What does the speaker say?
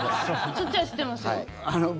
そっちは知ってますよ。